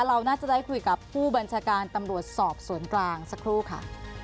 เราน่าจะได้คุยกับผู้บัญชาการตำรวจสอบสวนกลางสักครู่ค่ะ